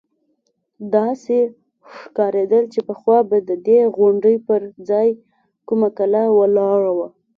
داسې ښکارېدل چې پخوا به د دې غونډۍ پر ځاى کومه کلا ولاړه وه.